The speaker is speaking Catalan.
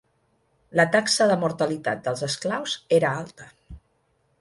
La taxa de mortalitat dels esclaus era alta.